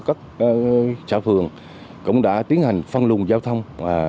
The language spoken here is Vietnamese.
các xã phường cũng đã tiến hành phân luồng giao thông